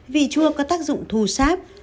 vị chua có tác dụng thu sáp